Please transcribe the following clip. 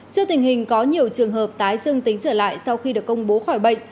trước tình hình có nhiều trường hợp tái dương tính trở lại sau khi được công bố khỏi bệnh